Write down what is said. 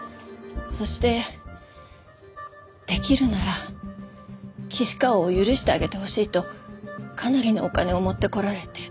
そしてできるなら岸川を許してあげてほしいとかなりのお金を持ってこられて。